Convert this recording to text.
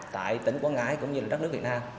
tại tỉnh quảng ngãi cũng như là đất nước việt nam